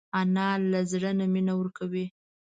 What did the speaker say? انا له زړه نه مینه ورکوي